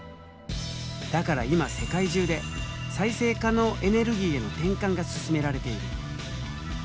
だから今世界中で再生可能エネルギーへの転換が進められている。